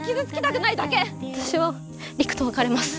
私は陸と別れます。